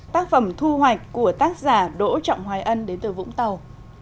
tác phẩm thu hoạch của tác giả đỗ trọng hoài ân đến từ vũng tàu